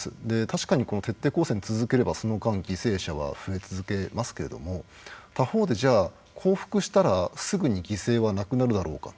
確かに徹底抗戦続ければその間犠牲者は増え続けますけれども他方でじゃあ降伏したらすぐに犠牲はなくなるだろうか。